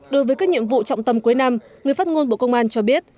đối với các nhiệm vụ trọng tâm cuối năm người phát ngôn bộ công an cho biết